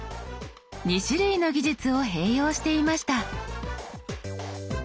２種類の技術を併用していました。